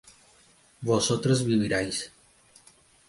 vosotros viviríais